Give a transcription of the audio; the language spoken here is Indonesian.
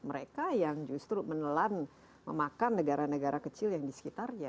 mereka yang justru menelan memakan negara negara kecil yang di sekitarnya